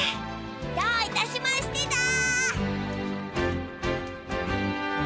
どういたしましてだ。